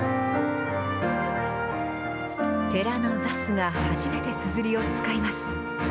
寺の座主が初めてすずりを使います。